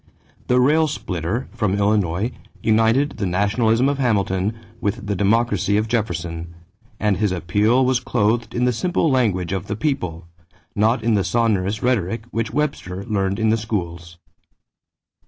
The "rail splitter" from Illinois united the nationalism of Hamilton with the democracy of Jefferson, and his appeal was clothed in the simple language of the people, not in the sonorous rhetoric which Webster learned in the schools.